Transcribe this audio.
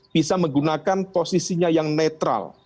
bisa menggunakan posisinya yang netral